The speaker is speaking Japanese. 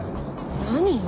何よ。